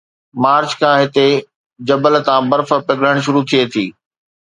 march کان هتي جبل تان برف پگھلڻ شروع ٿئي ٿي